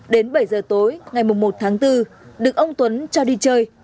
đến bảy giờ tối ngày một mươi một tháng bốn được ông tuấn cho đi chơi